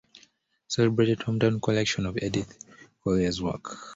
Celebrated hometown collection of Edith Collier's work.